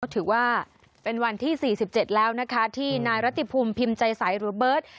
ถือว่าเป็นวันที่๔๗แล้วนะคะที่นายรัติภูมิพิมพ์ใจใสหรือเบิร์ต